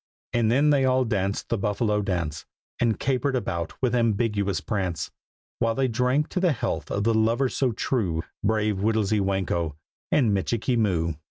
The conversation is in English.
And then they all danced the Buffalo dance, And capered about with ambiguous prance; While they drank to the health of the lovers so true, Brave Whittlesy Whanko and Michikee Moo.